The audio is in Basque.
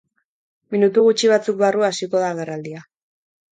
Minutu gutxi batzuk barru hasiko da agerraldia.